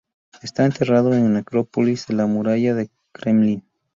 Está enterrado Necrópolis de la Muralla del Kremlin.